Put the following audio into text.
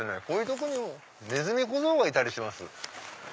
こういうとこにもねずみ小僧がいたりします。